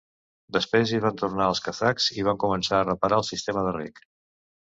Després hi van tornar els kazakhs i van començar a reparar el sistema de rec.